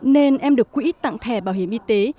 nên em được quỹ tặng thẻ bảo hiểm y tế